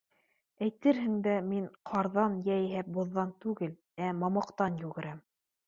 Әйтерһең дә, мин ҡарҙан йәиһә боҙҙан түгел, ә мамыҡтан йүгерәм.